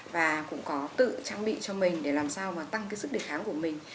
và cũng có tự trang bị cho mình để làm sao tăng sức đề kháng của mình